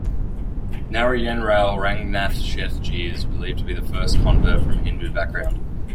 Narayenrao Rangnath Shethji is believed to be the first convert from Hindu background.